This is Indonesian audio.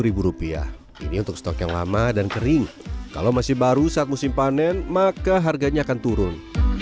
membuat rumput gelagai yang lama dan kering kalau masih baru saat musim panen maka harganya akan turun